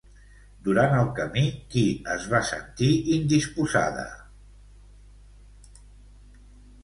Durant el camí, qui es va sentir indisposada?